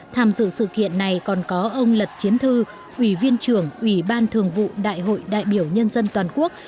tham dự sự kiện này còn có ông lật chiến thư ủy viên trưởng ủy ban thường vụ đại hội đại biểu nhân dân toàn quốc